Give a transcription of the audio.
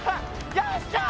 よっしゃー！